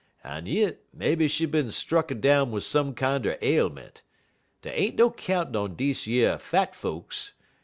En yit maybe she bin strucken down wid some kinder ailment. Dey ain't no countin' on deze yer fat folks.